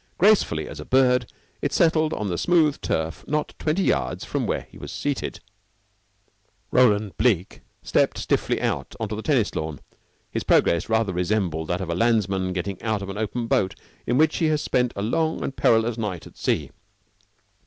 Gracefully as a bird it settled on the smooth turf, not twenty yards from where he was seated. Roland Bleke stepped stiffly out onto the tennis lawn. His progress rather resembled that of a landsman getting out of an open boat in which he has spent a long and perilous night at sea.